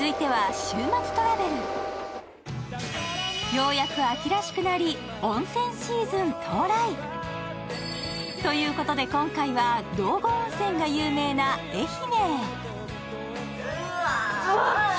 ようやく秋らしくなり温泉シーズン到来。ということで今回は、道後温泉が有名な愛媛へ。